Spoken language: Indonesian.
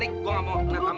dian aku balik lagi